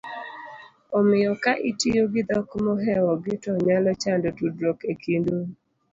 omiyo ka itiyo gi dhok mohewogi to nyalo chando tudruok e kind un